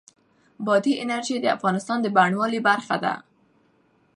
بادي انرژي د افغانستان د بڼوالۍ برخه ده.